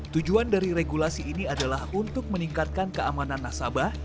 tujuan dari regulasi ini adalah untuk meningkatkan keamanan nasabah